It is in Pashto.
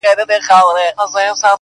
چي مطلب ته په رسېږي هغه وايي.!